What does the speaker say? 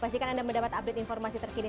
pastikan anda mendapat update informasi terkini